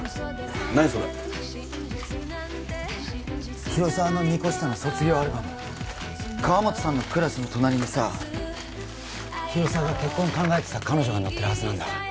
何それ広沢の２個下の卒業アルバム川本さんのクラスの隣にさ広沢が結婚考えてた彼女が載ってるはずなんだ